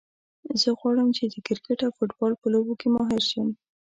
زه غواړم چې د کرکټ او فوټبال په لوبو کې ماهر شم